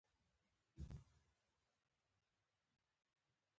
سیدآباد د وردک ولایت یوه ولسوالۍ ده.